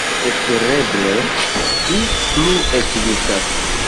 Espereble ĝi plu ekzistas.